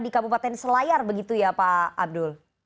di kabupaten selayar begitu ya pak abdul